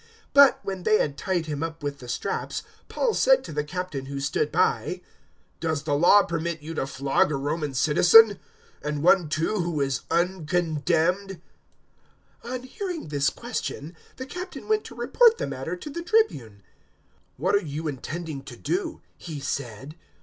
022:025 But, when they had tied him up with the straps, Paul said to the Captain who stood by, "Does the Law permit you to flog a Roman citizen and one too who is uncondemned?" 022:026 On hearing this question, the Captain went to report the matter to the Tribune. "What are you intending to do?" he said.